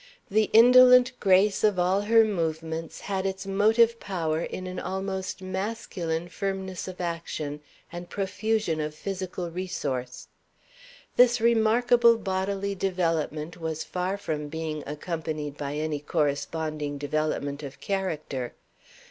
The indolent grace of all her movements had its motive power in an almost masculine firmness of action and profusion of physical resource. This remarkable bodily development was far from being accompanied by any corresponding development of character.